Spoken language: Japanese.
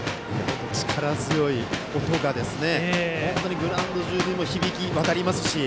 力強い音がグラウンド中に響き渡りますし。